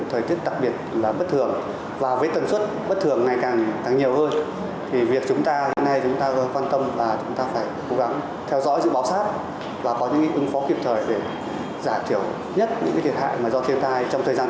có thể xảy ra không thể thường bất thường nhiều hơn trong thời gian tới